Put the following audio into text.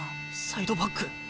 サイドバック。